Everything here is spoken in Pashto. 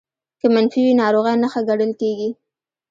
که منفي وي ناروغۍ نښه ګڼل کېږي